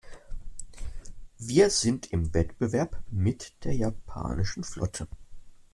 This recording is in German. Wir sind im Wettbewerb mit der japanischen Flotte.